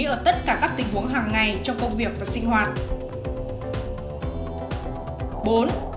như ở tất cả các tình huống hàng ngày trong công việc và sinh hoạt